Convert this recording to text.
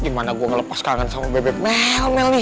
gimana gue ngelepas kangen sama bebek mel mel nih